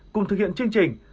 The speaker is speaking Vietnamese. cùng thực hiện chương trình